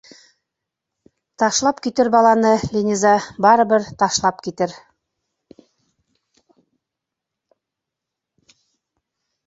Ташлап китер баланы Линиза, барыбер ташлап китер.